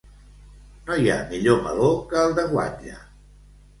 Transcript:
No hi ha millor meló que el de guatlla.